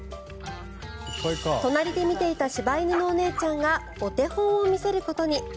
隣で見ていた柴犬のお姉ちゃんがお手本を見せることに。